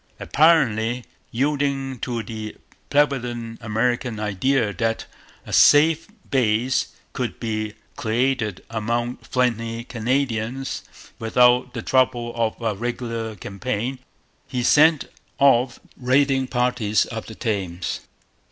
Apparently yielding to the prevalent American idea that a safe base could be created among friendly Canadians without the trouble of a regular campaign, he sent off raiding parties up the Thames.